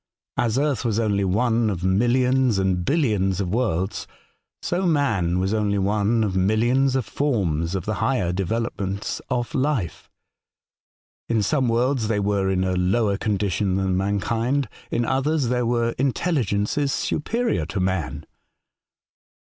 As earth was only one of milHons and billions of worlds, so man was only one of millions of forms of the higher developments of life. In some worlds they were in a lower condition than mankind, in others there were intelligences superior to man.